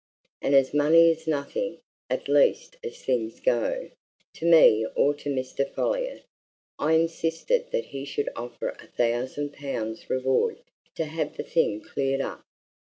And as money is nothing at least as things go to me or to Mr. Folliot, I insisted that he should offer a thousand pounds reward to have the thing cleared up.